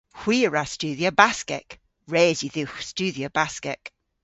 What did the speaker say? Hwi a wra studhya Baskek. Res yw dhywgh studhya Baskek.